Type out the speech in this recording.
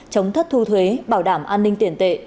chống thất thu thuế bảo đảm an ninh tiền tệ